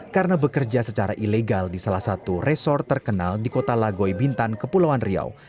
karena bekerja secara ilegal di salah satu resor terkenal di kota lagoy bintan kepulauan riau